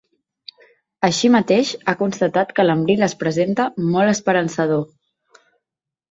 Així mateix, ha constatat que l’abril es presenta “molt esperançador”.